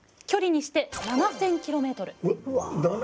距離にして７，０００キロメートル。